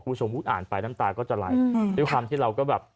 คุณผู้ชมเพิ่งอ่านไปน้ำตาก็จะไหลอืมด้วยความที่เราก็แบบ